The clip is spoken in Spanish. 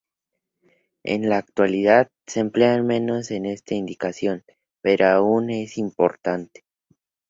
En la actualidad, se emplea menos en esta indicación, pero aún es importante.